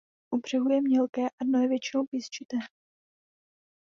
U břehů je mělké a dno je většinou písčité.